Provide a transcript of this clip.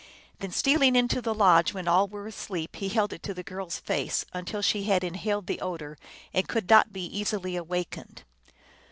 Then stealing into the lodge when all were asleep, he held it to the girl s face, until she had inhaled the odor and could not be easily awak ened.